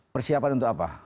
persiapan untuk apa